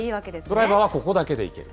ドライバーはここだけでいける。